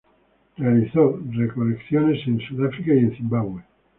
Realizó recolecciones en Sudáfrica y en Zimbabue.